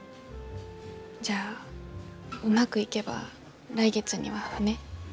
じゃあうまくいけば来月には船。